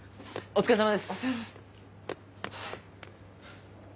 お疲れさまです。